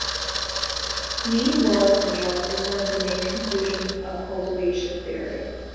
Mean world syndrome is one of the main conclusions of cultivation theory.